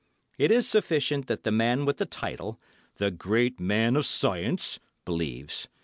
It is sufficient that the man with the title, the great man of science, believes.